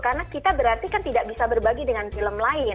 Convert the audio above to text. karena kita berarti kan tidak bisa berbagi dengan film lain